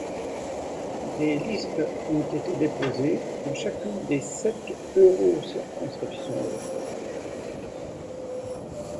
Des listes ont été déposées dans chacune des sept euro-circonscriptions électorales.